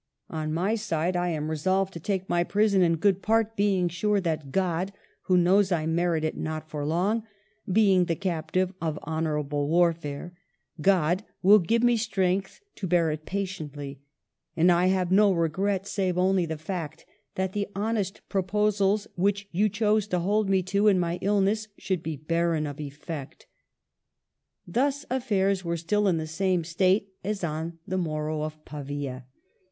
On my side I am resolved to take my prison in good part, being sure that God, — who knows I merit it not for long, being the captive of honorable warfare, — God will give me strength to bear it patiently. And I have no regret, save only the fact that the honest proposals which you chose to hold to me in my illness should be barren of effect. Thus affairs were still in the same state as on the morrow of Pavia.